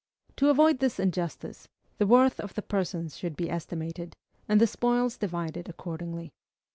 To avoid this injustice, the worth of the persons should be estimated, and the spoils divided accordingly.